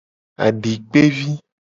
Adikpevi.